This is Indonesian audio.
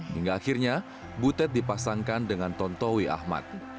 hingga akhirnya butet dipasangkan dengan tonton wi ahmad